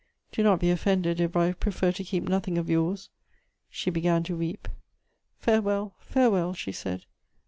"Do not be offended if I prefer to keep nothing of yours." She began to weep. "Farewell, farewell," she said.